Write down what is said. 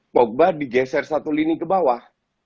pogba digeser satu lini ke bawah